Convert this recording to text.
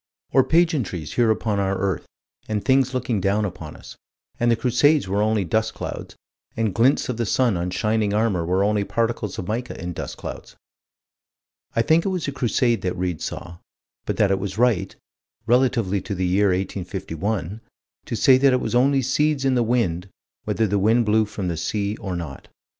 Or pageantries here upon our earth, and things looking down upon us and the Crusades were only dust clouds, and glints of the sun on shining armor were only particles of mica in dust clouds. I think it was a Crusade that Read saw but that it was right, relatively to the year 1851, to say that it was only seeds in the wind, whether the wind blew from the sea or not.